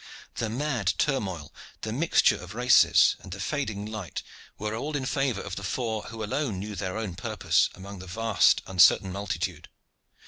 The mad turmoil, the mixture of races, and the fading light, were all in favor of the four who alone knew their own purpose among the vast uncertain multitude.